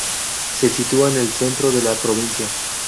Se sitúa en el centro de la provincia.